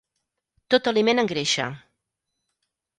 Tot aliment engreixa.